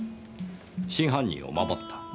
真犯人を守った。